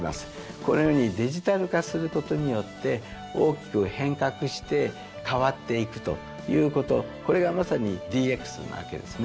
このようにデジタル化することによって大きく変革して変わっていくということこれがまさにＤＸなわけですね。